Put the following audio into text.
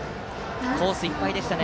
コースいっぱいでしたね。